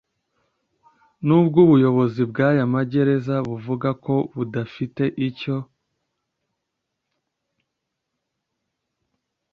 N'ubwo ubuyobozi bw'aya magereza buvuga ko budafite icyo